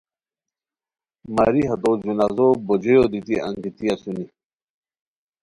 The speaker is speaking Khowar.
ماری ہتو جنازو بوجیو دیتی انگیتی اسونی